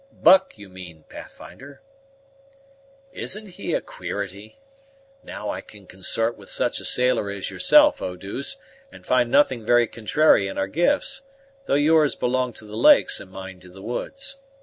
"Buck, you mean, Pathfinder." "Isn't he a queerity? Now I can consort with such a sailor as yourself, Eau douce, and find nothing very contrary in our gifts, though yours belong to the lakes and mine to the woods.